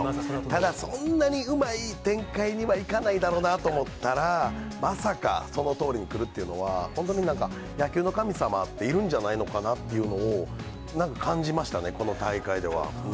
ただそんなにうまい展開にはいかないだろうなと思ったら、まさか、そのとおりにくるっていうのは、本当になんか、野球の神様っているんじゃないのかなっていうのを、なんか感じましたね、この大会では。